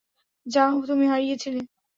যা তুমি হারিয়েছিলে।